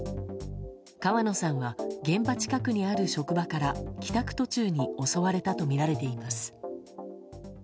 川野さんは現場近くにある職場から帰宅途中に襲われたとみられています。